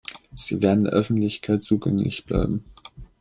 Sie werden der Öffentlichkeit zugänglich bleiben.